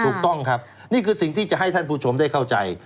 ถูกต้องครับนี่คือสิ่งที่จะให้ท่านผู้ชมได้เข้าใจ